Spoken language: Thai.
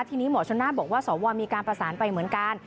ทีนี้หมอชนน่าบอกว่าสวมีการประสานไปเหมือนกัน